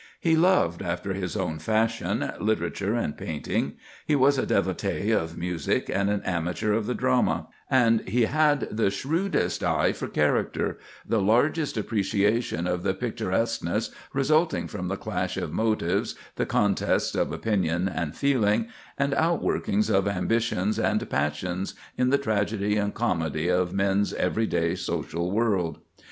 He loved, after his own fashion, literature and painting; he was a devotee of music and an amateur of the drama; and he had the shrewdest eye for character, the largest appreciation of the picturesqueness resulting from the clash of motives, the contests of opinion and feeling, and outworkings of ambitions and passions in the tragedy and comedy of men's every day social world.